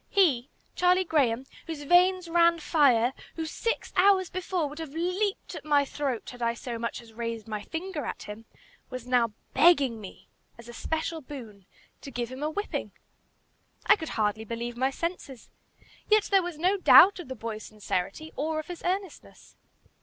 He, Charlie Graham, whose veins ran fire, who, six hours before, would have leaped at my throat had I so much as raised my finger at him, was now begging me, as a special boon, to give him a whipping! I could hardly believe my senses. Yet there was no doubt of the boy's sincerity, or of his earnestness.